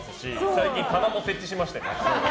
最近、棚も設置しました。